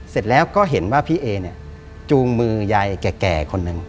เสร็จแล้วก็เห็นว่าพี่เอเนี่ยจูงมือยายแก่คนหนึ่ง